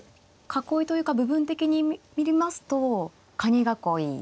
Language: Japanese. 囲いというか部分的に見ますとカニ囲い。